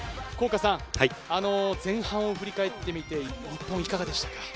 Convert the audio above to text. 前半を振り返ってみて、日本いかがでしたか？